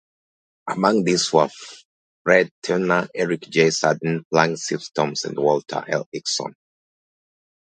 Among these were Fred Turner, Eric J. Sandeen, Blake Stimson and Walter L. Hixson.